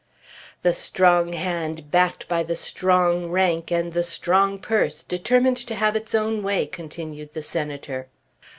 "The strong hand backed by the strong rank and the strong purse determined to have its own way!" continued the Senator.